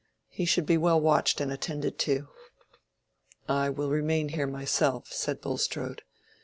He should be well watched and attended to." "I will remain here myself," said Bulstrode.